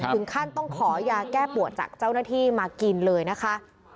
ถึงขั้นต้องขอยาแก้ปวดจากเจ้าหน้าที่มากินเลยนะคะ